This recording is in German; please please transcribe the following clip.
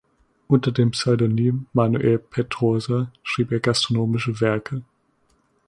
Unter dem Pseudonym "Manuel Pedrosa" schrieb er gastronomische Werke.